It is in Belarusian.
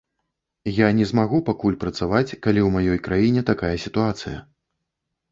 Я не змагу пакуль працаваць, калі ў маёй краіне такая сітуацыя.